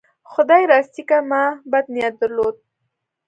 خدای راستي که ما بد نیت درلود.